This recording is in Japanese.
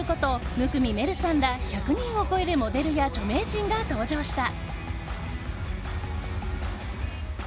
生見愛瑠さんら１００人を超えるモデルや著名人が登場した。